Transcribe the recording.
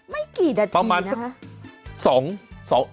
ไม่กี่นาทีนะคะ